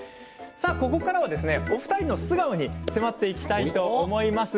ここからはお二人の素顔に迫っていきたいと思います。